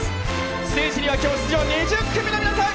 ステージには今日、出場２０組の皆さん。